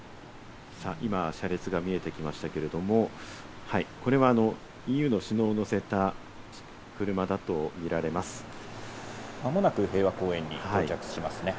今、車列が見えてきましたけれども、これはＥＵの首脳を間もなく平和公園に到着しますね。